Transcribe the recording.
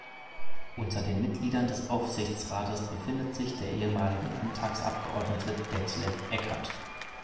Unter den Mitgliedern des Aufsichtsrates befindet sich der ehemalige Landtagsabgeordnete Detlef Eckert.